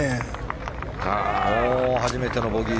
初めてのボギー。